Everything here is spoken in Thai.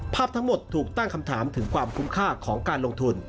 ภาพทั้งหมดถูกตั้งคำถามถึงความคุ้มค่าของการลงทุน